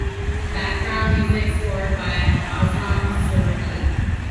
Background music scored by Aslam Surti.